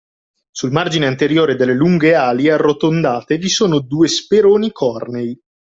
Sul margine anteriore delle lunghe ali arrotondate vi sono due speroni cornei